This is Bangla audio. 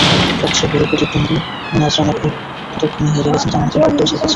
সবচেয়ে বড় প্রতিদ্বন্দ্বী নাজরানা খান ততক্ষণে হেরে গেছেন জান্নাতুল ফেরদৌসের কাছে।